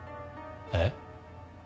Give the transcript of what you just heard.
えっ？